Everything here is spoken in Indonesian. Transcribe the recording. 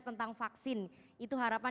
tentang vaksin itu harapan